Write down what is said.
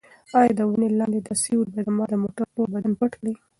ایا د ونې لاندې دا سیوری به زما د موټر ټول بدن پټ کړي؟